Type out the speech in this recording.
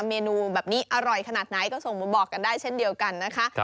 เมนูแบบนี้อร่อยขนาดไหนก็ส่งมาบอกกันได้เช่นเดียวกันนะคะ